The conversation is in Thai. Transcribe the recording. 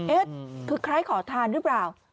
เอ๊ะคือคล้ายขอทานหรือเปล่า